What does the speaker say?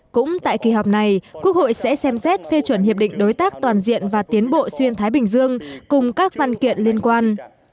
cũng tại kỳ họp này quốc hội sẽ xem xét phê chuẩn hiệp định đối tác toàn diện và tiến bộ xuyên thái bình dương cùng các văn kiện liên quan